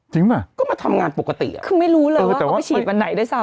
ป่ะก็มาทำงานปกติอ่ะคือไม่รู้เลยว่าเขาไปฉีดวันไหนด้วยซ้ำ